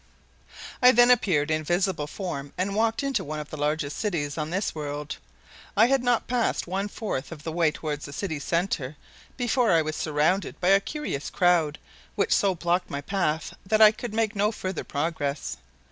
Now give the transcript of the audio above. I then appeared in visible form and walked into one of the largest cities on this world. I had not passed one fourth of the way toward the city's center before I was surrounded by a curious crowd which so blocked my path that I could make no further progress.